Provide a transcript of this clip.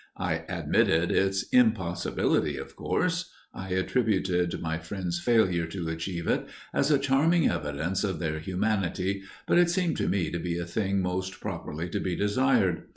I admitted its impossibility, of course; I attributed my friends' failure to achieve it as a charming evidence of their humanity, but it seemed to me to be a thing most properly to be desired.